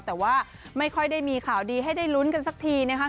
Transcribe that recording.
แต่ว่าไม่ค่อยได้มีข่าวดีให้ได้ลุ้นกันสักทีนะครับ